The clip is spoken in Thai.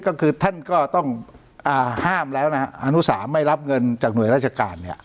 ก็คือท่านก็ต้องห้ามแล้วนะฮะอนุสามไม่รับเงินจากหน่วยราชการเนี่ย